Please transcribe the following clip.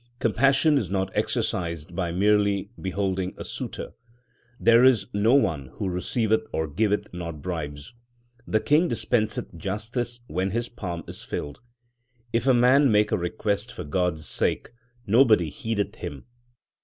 Compassion is not exercised by merely beholding a suitor ; 5 There is no one who receiveth or giveth not bribes. The king dispenseth justice when his palm is filled. If a man make a request for God s sake nobody heedeth him.